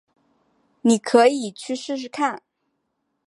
妳可以去试试看